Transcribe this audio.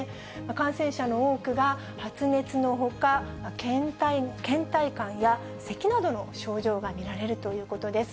感染者の多くが発熱のほか、けん怠感やせきなどの症状が見られるということです。